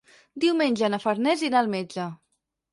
Diumenge na Farners irà al metge.